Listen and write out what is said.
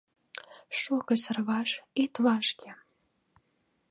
Шого, Сарваш, ит вашке!